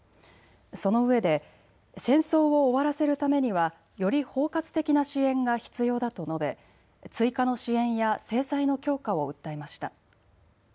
そのうえで戦争を終わらせるためにはより包括的な支援が必要だと述べ追加の支援や制裁の強化を訴えました。